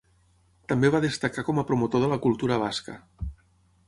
També va destacar com a promotor de la cultura basca.